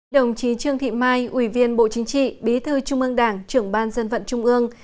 đồng chí trương thị mai ủy viên bộ chính trị bí thư trung ương đảng trưởng ban dân vận trung ương